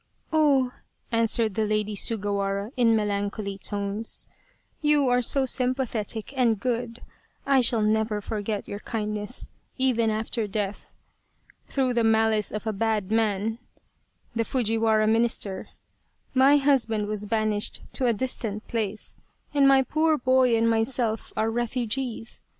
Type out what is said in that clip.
" Oh !" answered the Lady Sugawara in melancholy tones, " you are so sympathetic and good, I shall never forget your kindness, even after death. Through the malice of a bad man * my husband was banished to a distant place, and my poor boy and myself are refugees.